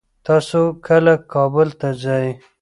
تاسو کله کابل ته ځئ؟